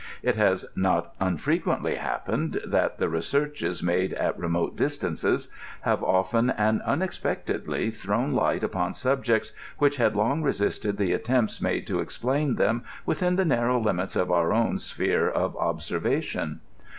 It has not unfiequently happened, that the researches made at remote distances have often and unexpectedly thrown light upon subjects which had long re sisted the attempts made to explain them within the narrow limits of our own sphere of observation.